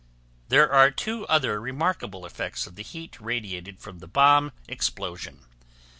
There are two other remarkable effects of the heat radiated from the bomb explosion.